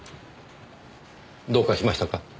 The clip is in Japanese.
どうかしましたか？